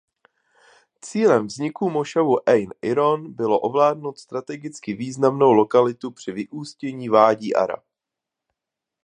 Cílem vzniku mošavu Ejn Iron bylo ovládnout strategicky významnou lokalitu při vyústění Vádí Ara.